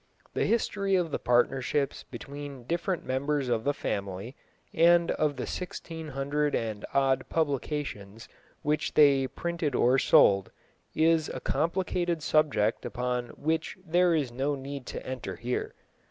The history of the partnerships between different members of the family, and of the sixteen hundred and odd publications which they printed or sold, is a complicated subject upon which there is no need to enter here.